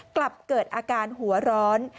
กลับเกิดอาการหัวร้อน